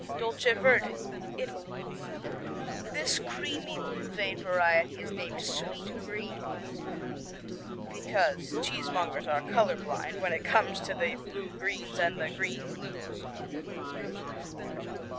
Dolce Verde Italy This creamy blue vein variety is named Sweet Green, because cheesemongers are color blind when it comes to the blue greens and the green blues.